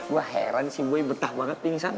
gua heran sih boy betah banget pingsan